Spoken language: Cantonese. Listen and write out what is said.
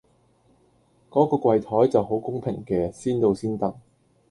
嗰個櫃檯就好公平嘅先到先得